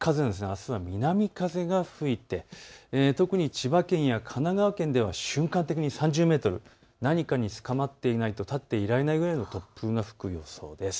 あすは南風が吹いて特に千葉県や神奈川県では瞬間的に３０メートル、何かにつかまっていないと立っていられないくらいの突風が吹く予想です。